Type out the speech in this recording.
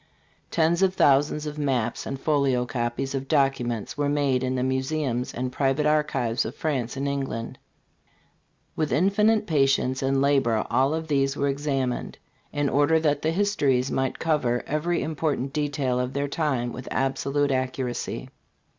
Tens of thousands of maps and folio copies of documents were made in the museums and public archives of France and England. With infinite patience and labor all of these were examined, in order that the histories might cover every important detail of their time with absolute accuracy.